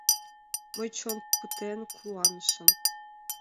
Мый чон пытен куанышым.